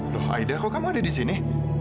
loh aida kenapa kamu ada di sini